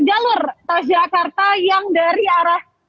jalur transjakarta yang dari arah